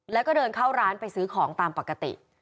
แล้วก็เดินเข้าร้านไปซื้อของตามปกติ